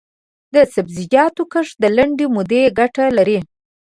د سبزیجاتو کښت د لنډې مودې ګټه لري.